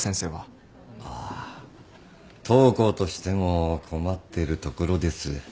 当校としても困ってるところです。